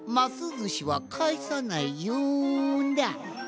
ずしはかえさないよんだ。